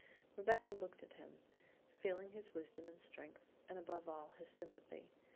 Rebecca looked at him, feeling his wisdom and strength, and above all his sympathy.